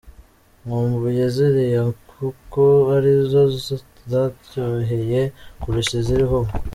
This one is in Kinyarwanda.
Nkumbuye ziriya kuko ari zo zandyoheye kurusha iziriho ubu.